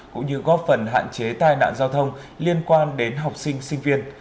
cũng như góp phần hạn chế tai nạn giao thông liên quan đến học sinh sinh viên